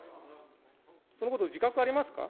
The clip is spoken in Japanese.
そのこと自覚ありますか。